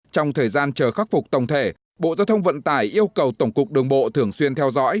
trong thời gian chờ khắc phục tổng thể bộ giao thông vận tải yêu cầu tổng cục đường bộ thường xuyên theo dõi